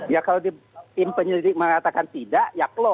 ya kalau tim penyelidik mengatakan tidak ya clow